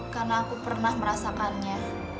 karena aku pernah merasakannya